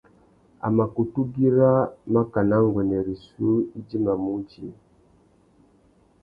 A mà kutu güira makana nguêndê rissú idjimamú udjï.